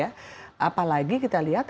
apalagi kita lihat ekspor kita juga mulai bergeliat